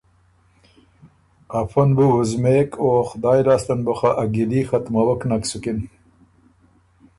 افۀ ن بُو وُزمېک او خدایٛ لاسته ن بُو خه ا ګیلي ختموک نک سُکِن۔